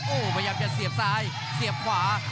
โอ้โหพยายามจะเสียบซ้ายเสียบขวา